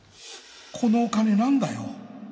このお金何だよ